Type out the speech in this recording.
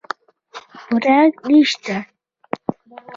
پړانګ نشته